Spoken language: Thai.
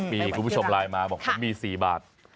มีคุณผู้ชมไลน์มาบอกผมมี๔บาท